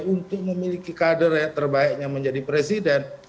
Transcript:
untuk memiliki kader terbaiknya menjadi presiden